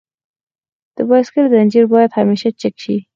د بایسکل زنجیر باید همیشه چک شي.